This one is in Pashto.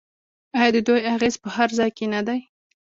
آیا د دوی اغیز په هر ځای کې نه دی؟